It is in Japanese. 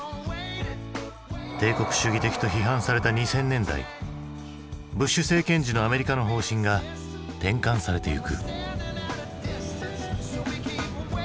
帝国主義的と批判された２０００年代ブッシュ政権時のアメリカの方針が転換されてゆく。